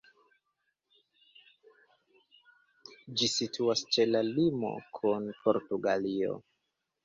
Ĝi situas ĉe la limo kun Portugalio.